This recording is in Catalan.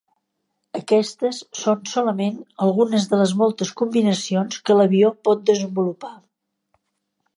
Aquestes són solament algunes de les moltes combinacions que l'avió pot desenvolupar.